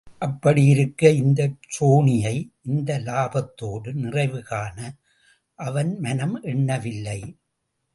அப்படியிருக்க இந்தச் சோனியை இந்த லாபத்தோடு நிறைவு காண அவன் மனம் எண்ணவில்லை.